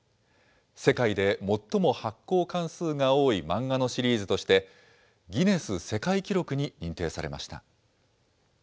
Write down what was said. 世界で最も発行巻数が多い漫画のシリーズとして、ギネス世界記録に認定されました。